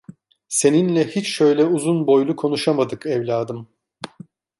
Seninle hiç şöyle uzun boylu konuşamadık evladım.